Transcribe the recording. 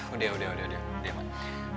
udah udah udah udah mak